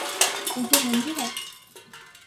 এই যে বন্ধুরা।